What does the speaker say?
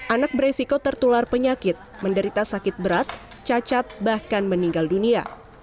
anak beresiko tertular penyakit menderita sakit berat cacat bahkan meninggal dunia